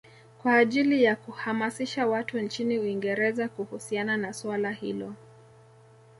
Kwa ajili ya kuhamasisha watu nchini Uingereza kuhusiana na suala hilo